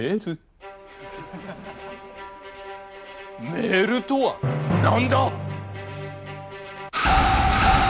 メールとは何だ？